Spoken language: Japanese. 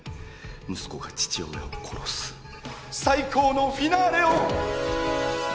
息子が父親を殺す最高のフィナーレを。